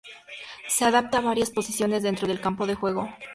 Se adapta a varias posiciones dentro del campo de juego.